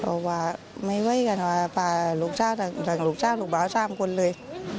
เพราะว่าไม่ไว้กันว่าลูกชาติหลังลูกชาติหลุกบาวสามคนเลย